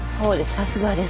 さすがです。